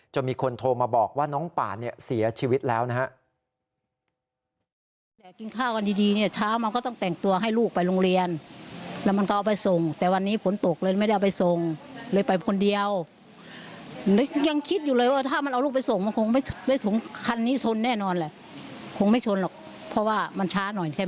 มีคนโทรมาบอกว่าน้องป่านเนี่ยเสียชีวิตแล้วนะฮะ